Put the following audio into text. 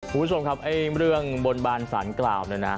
คุณผู้ชมครับไอ้เรื่องบนบานสารกล่าวเนี่ยนะ